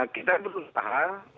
kita belum tahu